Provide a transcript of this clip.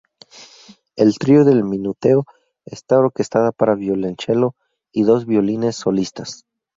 El trío del minueto está orquestada para violonchelo y dos violines solistas.